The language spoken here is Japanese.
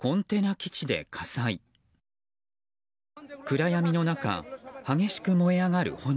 暗闇の中、激しく燃え上がる炎。